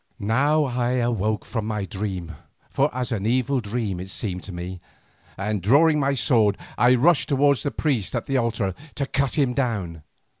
Now I awoke from my dream, for as an evil dream it seemed to me, and drawing my sword I rushed towards the priest at the altar to cut him down.